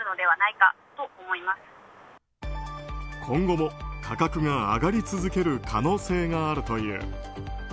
今後も価格が上がり続ける可能性があるという。